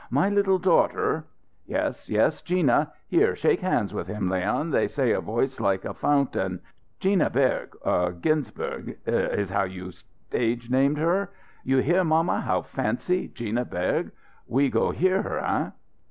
My little daughter " "Yes, yes, Gina. Here shake hands with him. Leon, they say a voice like a fountain. Gina Berg eh, Ginsberg is how you stage named her? You hear, mamma, how fancy Gina Berg? We go hear her, eh?"